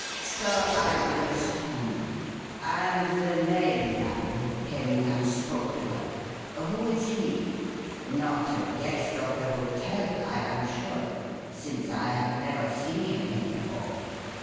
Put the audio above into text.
"So I understand. And the lame man who came in and spoke to her who is he? Not a guest of the hotel, I am sure, since I have never seen him here before."